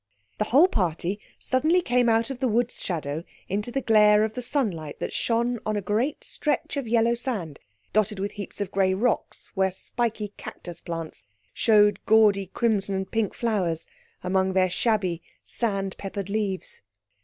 The whole party suddenly came out of the wood's shadow into the glare of the sunlight that shone on a great stretch of yellow sand, dotted with heaps of grey rocks where spiky cactus plants showed gaudy crimson and pink flowers among their shabby, sand peppered leaves.